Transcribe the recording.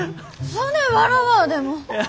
そねん笑わあでも。